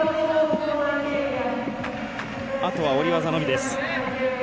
あとは下り技のみです。